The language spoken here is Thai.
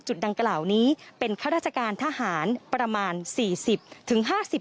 จุดดังกล่าวนี้เป็นข้าราชการทหารประมาณสี่สิบถึงห้าสิบ